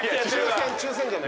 抽選じゃないです。